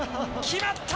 決まった！